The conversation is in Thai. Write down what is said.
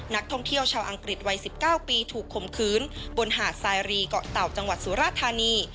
นักท่องเที่ยวชาวอังกฤษวัย๑๙ปีถูกข่มขืนบนหาดสายรีเกาะเต่าจังหวัดสุราธานี